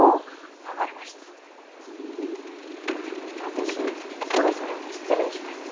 私そろそろ失礼します。